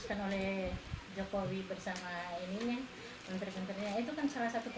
yang pertama pendidikan agama dihapus dari sekolah sekolah